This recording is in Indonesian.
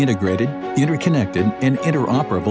integrasi interkoneksi dan interoperable